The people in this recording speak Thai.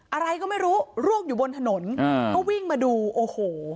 อะไรก็ไม่รู้ร่วงอยู่บนถนนอ่าก็วิ่งมาดูโอ้โห